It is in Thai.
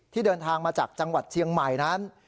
เดินทางมาจากจังหวัดเชียงใหม่นั้น